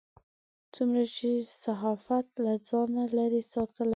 څومره چې صحافت له ځانه لرې ساتلی و.